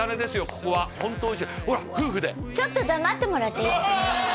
ここはホントおいしいほら夫婦でちょっと黙ってもらっていいですか？